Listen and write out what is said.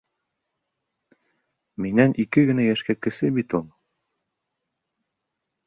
Минән ике генә йәшкә кесе бит ул!